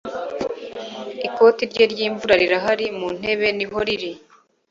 ikoti rye ryimvura rirahari mu ntebe niho riri